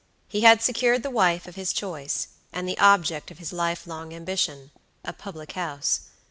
He had secured the wife of his choice, and the object of his life long ambitiona public house.